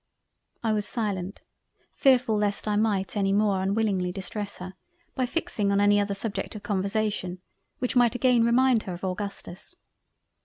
I was silent, fearfull lest I might any more unwillingly distress her by fixing on any other subject of conversation which might again remind her of Augustus.